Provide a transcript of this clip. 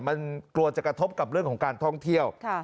มันกลัวจะกระทบกับเรื่องของการท่องเที่ยว